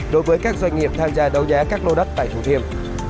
đối với các doanh nghiệp tham gia đấu giá các lô đất tại thủ thiêm